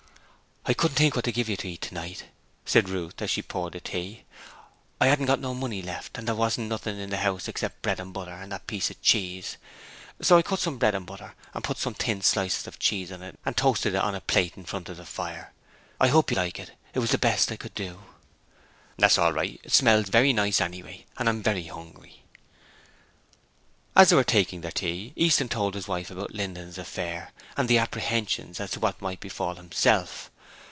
'I couldn't think what to give you to eat tonight,' said Ruth as she poured out the tea. 'I hadn't got no money left and there wasn't nothing in the house except bread and butter and that piece of cheese, so I cut some bread and butter and put some thin slices of cheese on it and toasted it on a place in front of the fire. I hope you'll like it: it was the best I could do.' 'That's all right: it smells very nice anyway, and I'm very hungry.' As they were taking their tea Easton told his wife about Linden's affair and his apprehensions as to what might befall himself.